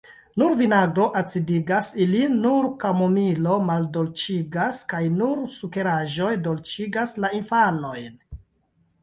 Nur vinagro acidigas ilin, nur kamomilo maldolĉigas, kaj nur sukeraĵoj dolĉigas la infanojn.